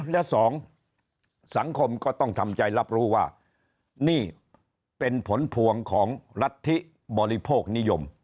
และสองสังคมก็ต้องทำใจรับรู้ว่านี่เป็นผลพวงของรัฐธิบริโภคนิยม